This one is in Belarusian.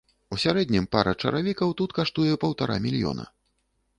У сярэднім пара чаравікаў тут каштуе паўтара мільёна.